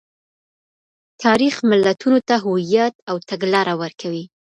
تاریخ ملتونو ته هویت او تګلاره ورکوي.